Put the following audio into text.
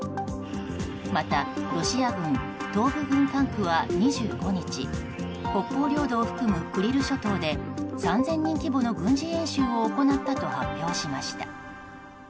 また、ロシア軍東部軍管区は２５日北方領土を含むクリル諸島で３０００人規模の軍事演習を行ったと発表しました。